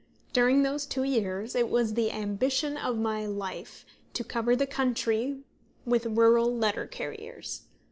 During those two years it was the ambition of my life to cover the country with rural letter carriers.